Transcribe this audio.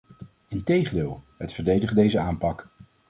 Integendeel, het verdedigt deze aanpak.